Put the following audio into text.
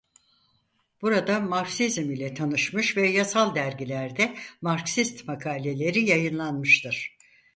Burada Marksizm ile tanışmış ve yasal dergilerde Marksist makaleleri yayınlanmıştır.